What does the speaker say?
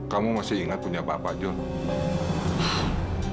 kamu masih ingat punya bapak john